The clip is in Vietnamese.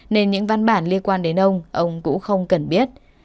nên những văn bản liên quan đến ông ông cũng không cần biết